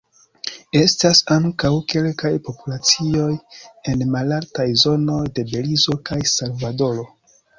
Estas ankaŭ kelkaj populacioj en malaltaj zonoj de Belizo kaj Salvadoro.